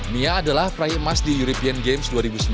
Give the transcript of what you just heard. mia adalah prai emas di euribean games dua ribu sembilan belas